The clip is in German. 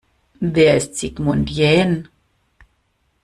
Wer ist Sigmund Jähn?